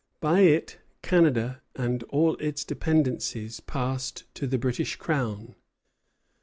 By it Canada and all its dependencies passed to the British Crown.